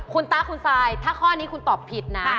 คุณตาคุณซายถ้าข้อนี้คุณตอบผิดนะ